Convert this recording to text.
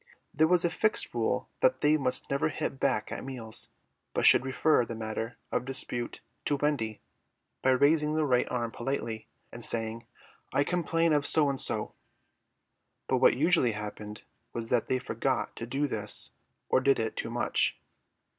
There was a fixed rule that they must never hit back at meals, but should refer the matter of dispute to Wendy by raising the right arm politely and saying, "I complain of so and so;" but what usually happened was that they forgot to do this or did it too much.